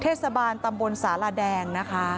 เทศบาลตำบนศาละแดง